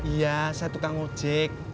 iya saya tukang ojek